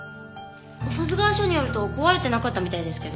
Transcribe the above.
保津川署によると壊れてなかったみたいですけど。